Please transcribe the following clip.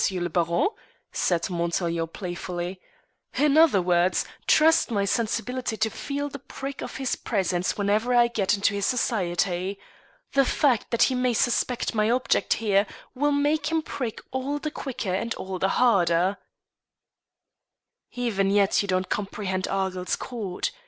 le Baron," said Montaiglon playfully. "In other words, trust my sensibility to feel the prick of his presence whenever I get into his society. The fact that he may suspect my object here will make him prick all the quicker and all the harder." "Even yet you don't comprehend Argyll's court.